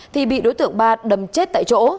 thì bị đối tượng ba đâm chết tại chỗ